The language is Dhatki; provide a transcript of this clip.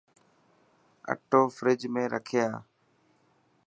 اثو فريج ۾ رکي آءِ.